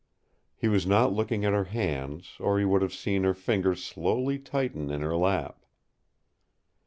He was not looking at her hands, or he would have seen her fingers slowly tighten in her lap.